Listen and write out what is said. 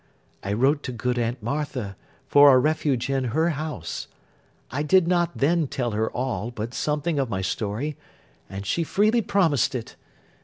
I wrote to good Aunt Martha, for a refuge in her house: I did not then tell her all, but something of my story, and she freely promised it.